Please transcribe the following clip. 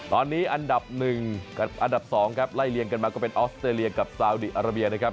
ตอนนี้อันดับ๑กับอันดับ๒ครับไล่เลียงกันมาก็เป็นออสเตรเลียกับซาวดีอาราเบียนะครับ